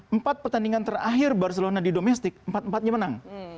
empat pertandingan terakhir barcelona di domestik empat empatnya menang